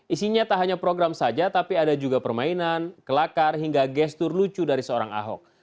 isinya tak hanya program saja tapi ada juga permainan kelakar hingga gestur lucu dari seorang ahok